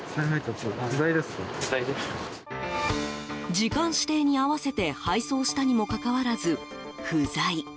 時間指定に合わせて配送したにもかかわらず不在。